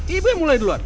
ibu yang mulai duluan